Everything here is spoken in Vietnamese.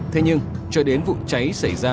thế nhưng trở đến vụ cháy xảy ra